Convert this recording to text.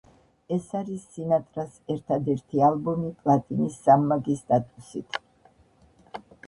ეს არის სინატრას ერთადერთი ალბომი პლატინის სამმაგი სტატუსით.